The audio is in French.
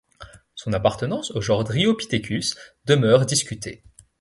Son appartenance au genre Dryopithecus demeure discutée.